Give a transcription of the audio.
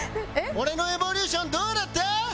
俺の『ｅｖｏｌｕｔｉｏｎ』どうだった？